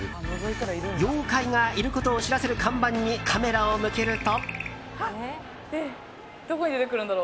妖怪がいることを知らせる看板にカメラを向けると。